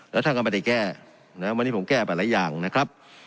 และท่านกำฆิตะแก้แล้ววันนี้ผมแก้ไปหลายอย่างนะครับ